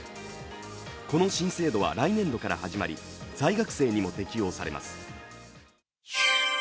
この新制度は来年度から始まり、在学生にも適用されます。